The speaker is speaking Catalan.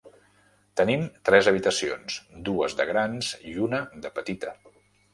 Tenim tres habitacions, dues de grans i una de petita.